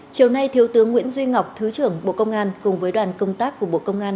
chiều nay thiếu tướng nguyễn duy ngọc thứ trưởng bộ công an cùng với đoàn công tác của bộ công an